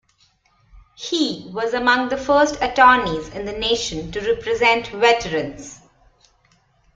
He was among the first attorneys in the nation to represent veterans.